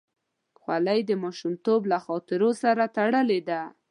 خولۍ د ماشومتوب له خاطرو سره تړلې ده.